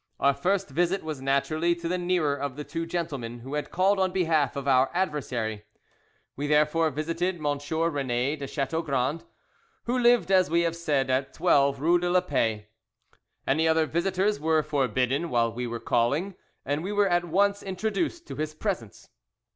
Our first visit was naturally to the nearer of the two gentlemen who had called on behalf of our adversary. We, therefore, visited Monsieur René de Chateaugrand, who lived, as we have said, at 12, Rue de la Paix. Any other visitors were forbidden while we were calling, and we were at once introduced to his presence.